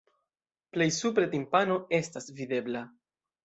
Plej supre timpano estas videbla.